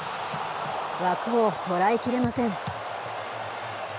枠を捉えきれません。